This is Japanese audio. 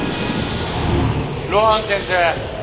露伴先生